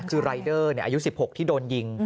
คือรายเดอร์อายุ๑๖ที่โดนยิง